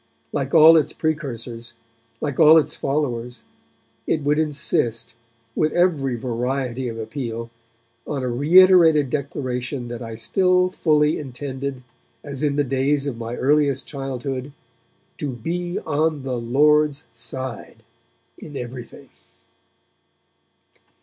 Like all its precursors, like all its followers, it would insist, with every variety of appeal, on a reiterated declaration that I still fully intended, as in the days of my earliest childhood, 'to be on the Lord's side' in everything.